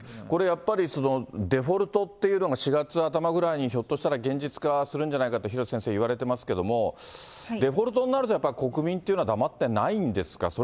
これやっぱり、デフォルトっていうのが４月頭ぐらいにひょっとしたら、現実化するんじゃないかと、廣瀬先生、いわれてますけれども、デフォルトになるとやっぱり国民というのは黙ってないんですか。